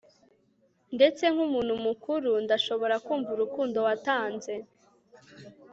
ndetse nkumuntu mukuru ndashobora kumva urukundo watanze